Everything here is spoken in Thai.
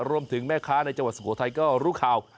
รวมถึงแม่ค้าในจังหวัดสุโขทัยก็รู้ข่าว